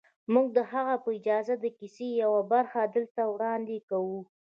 موږ د هغه په اجازه د کیسې یوه برخه دلته وړاندې کوو